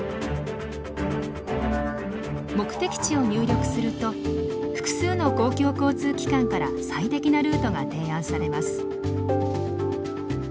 目的地を入力すると複数の公共交通機関から最適なルートが提案されます。